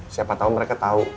siapa tau mereka tau